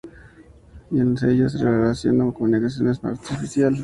Y en ellos la relación o comunicación es más artificial.